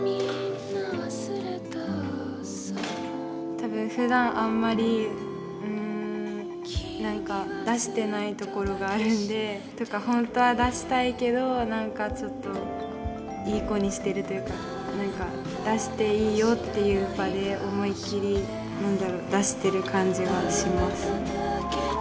多分ふだんあんまりうん何か出してないところがあるんでというか本当は出したいけど何かちょっといい子にしてるというか何か出していいよっていう場で思いっきり出してる感じはします。